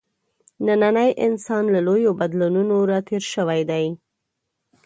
نننی انسان له لویو بدلونونو راتېر شوی دی.